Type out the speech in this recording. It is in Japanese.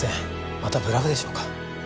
またブラフでしょうか？